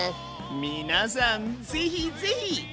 皆さんぜひぜひ！